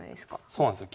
そうなんですよ